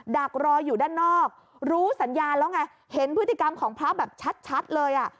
ดักรออยู่ด้านนอกรู้สัญญาณแล้วไงเห็นพฤติกรรมของพระแบบชัดเลยอ่ะ